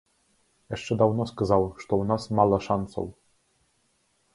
Яшчэ даўно сказаў, што ў нас мала шанцаў.